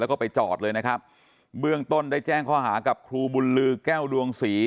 แล้วก็ไปจอดเลยนะครับเบื้องต้นได้แจ้งข้อหากับครูบุญลือแก้วดวงศรี